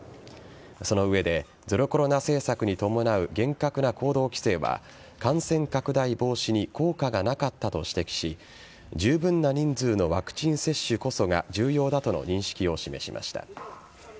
その上でゼロコロナ政策に伴う厳格な行動規制は感染拡大防止に効果がなかったと指摘し十分な人数のワクチン接種こそが重要だとの認識を示しました。